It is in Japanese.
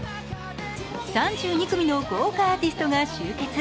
３２組の豪華アーティストが集結。